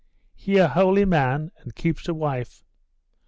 'He a holy man? and keeps a wife!